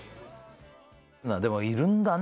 でもいるんだね